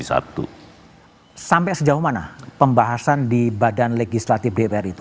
sampai sejauh mana pembahasan di badan legislatif dpr itu